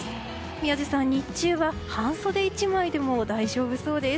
宮司さん、日中は半袖１枚でも大丈夫そうです。